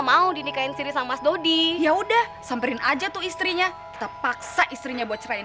mau dinikahin siri sama dodi ya udah samperin aja tuh istrinya terpaksa istrinya buat cerain